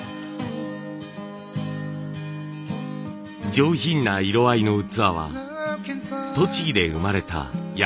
上品な色合いの器は栃木で生まれた焼き物。